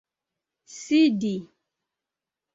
sidi